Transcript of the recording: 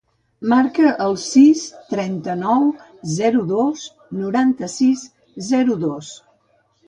Marca el sis, trenta-nou, zero, dos, noranta-sis, zero, dos.